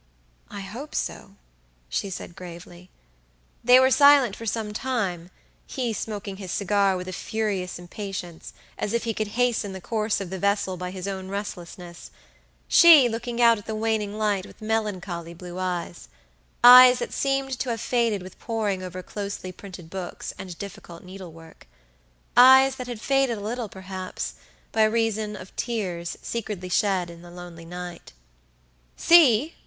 "I hope so," she said gravely. They were silent for some time, he smoking his cigar with a furious impatience, as if he could hasten the course of the vessel by his own restlessness; she looking out at the waning light with melancholy blue eyeseyes that seemed to have faded with poring over closely printed books and difficult needlework; eyes that had faded a little, perhaps, by reason of tears secretly shed in the lonely night. "See!"